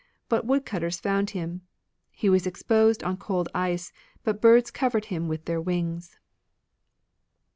But woodcutters found him ; He was exposed on cold ice. But birds covered him with their wings.